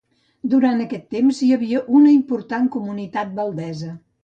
Durant aquests temps hi havia una important comunitat valdesa.